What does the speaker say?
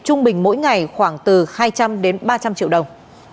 trung bình mỗi ngày khoảng từ hai trăm linh đến ba trăm linh triệu đồng